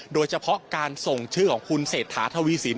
โดยเฉพาะการส่งชื่อของคุณเศรษฐาทวีสิน